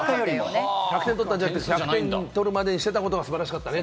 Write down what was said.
１００点取ったんじゃなくて、１００点取るまでにしたことが素晴らしかったね。